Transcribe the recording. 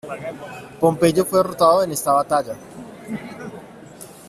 Pompeyo fue derrotado en esta batalla.